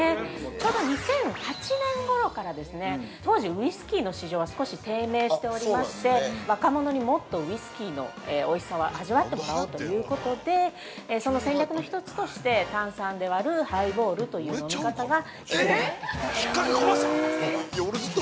ちょうど２００８年ごろから当時ウイスキーの市場が少し低迷しておりまして、若者にもっとウイスキーのおいしさを味わってもらおうということで、その戦略の一つとして、炭酸で割るハイボールという飲み方が広がってきたと。